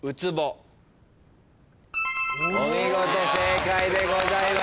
お見事正解でございます。